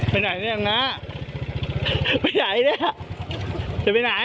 ไปไหนเนี่ยนะไปไหนเนี่ยจะไปไหน